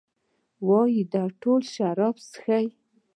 وايي ټول شراب چښي؟